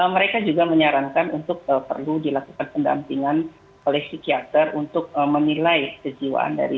mereka juga menyarankan untuk perlu dilakukan pendampingan oleh psikiater untuk memilai kejiwaannya